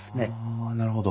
あなるほど。